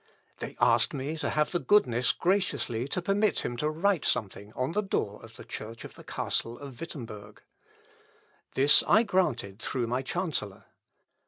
They asked me to have the goodness graciously to permit him to write something on the door of the church of the castle of Wittemberg. This I granted through my chancellor.